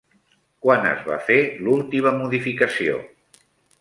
Quan es va fer l'última modificació?